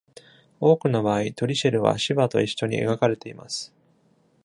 多くの場合、トリシュルはシヴァと一緒に描かれています。